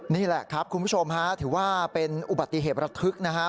นี่แหละครับคุณผู้ชมฮะถือว่าเป็นอุบัติเหตุระทึกนะฮะ